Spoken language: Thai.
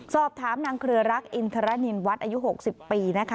สอบถามนางเครือรักอินทรนินวัฒน์อายุ๖๐ปีนะคะ